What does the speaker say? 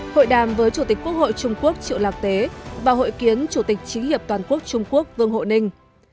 hội đàm với chủ tịch quốc hội trung quốc triệu lạc tế và hội kiến chủ tịch chính hiệp toàn quốc trung quốc vương hộ ninh